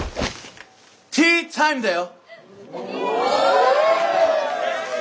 ティータイムだよ！